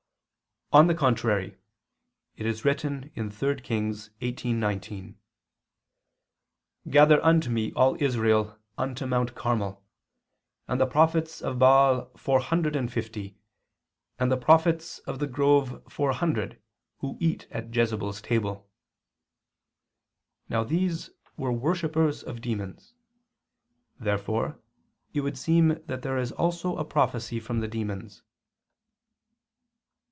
On the contrary, It is written (3 Kings 18:19): "Gather unto me all Israel unto mount Carmel, and the prophets of Baal four hundred and fifty, and the prophets of the grove four hundred, who eat at Jezebel's table." Now these were worshippers of demons. Therefore it would seem that there is also a prophecy from the demons.